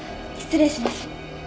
失礼します。